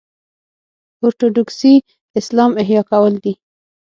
اورتوډوکسي اسلام احیا کول دي.